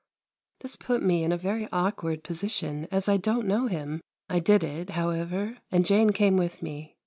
This put me in a very awkward position, as I don't know him. I did it, however, and Jane came with me.